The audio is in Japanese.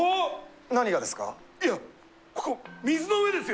何がですか？